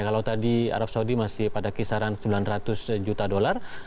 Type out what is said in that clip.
kalau tadi arab saudi masih pada kisaran sembilan ratus juta dolar